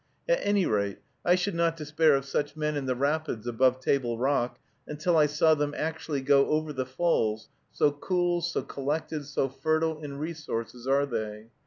At any rate, I should not despair of such men in the rapids above Table Rock, until I saw them actually go over the falls, so cool, so collected, so fertile in resources are they.